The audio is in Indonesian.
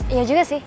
iya juga sih